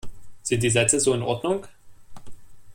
Sind die Sätze so in Ordnung?